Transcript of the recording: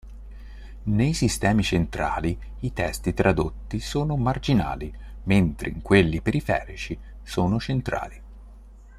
Nei sistemi centrali i testi tradotti sono marginali mentre in quelli periferici sono centrali.